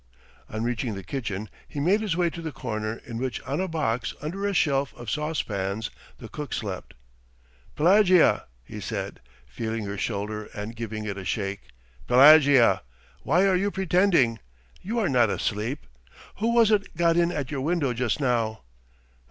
On reaching the kitchen, he made his way to the corner in which on a box under a shelf of saucepans the cook slept. "Pelagea," he said, feeling her shoulder and giving it a shake, "Pelagea! Why are you pretending? You are not asleep! Who was it got in at your window just now?"